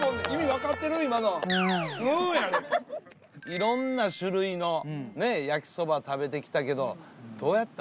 いろんな種類の焼きそば食べてきたけどどやった？